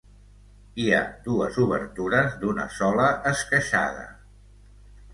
Hi ha dues obertures d'una sola esqueixada.